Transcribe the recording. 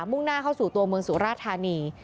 ่งหน้าเข้าสู่ตัวเมืองสุราธานี